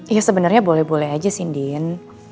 ya sebenernya boleh boleh aja sih indin